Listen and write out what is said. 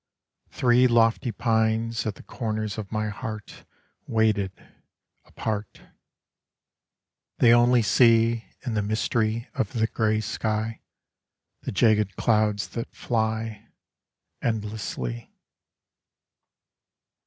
Three lofty pines At the corners of my heart Waited, apart. They only see In the mystery Of the grey sky, The jaggled clouds that fly, Endlessly.